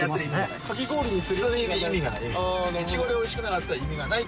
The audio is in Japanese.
イチゴよりおいしくなかったら意味がない！